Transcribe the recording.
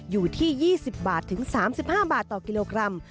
อยู่ที่๒๐บาทถึง๓๕บาทต่อกิโลกรัม